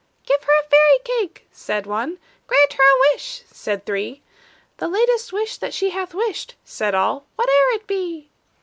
"Give her a fairy cake!" said one; "Grant her a wish!" said three; "The latest wish that she hath wished," Said all, "whate'er it be!"